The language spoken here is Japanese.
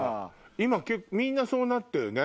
今みんなそうなったよね？